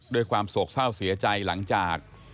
ด้วยความโศกเศร้าเสียใจหลังจาก